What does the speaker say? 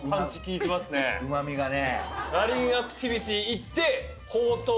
うまみがね。